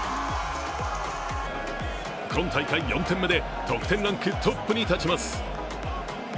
今大会４点目で得点ランクトップに立ちます。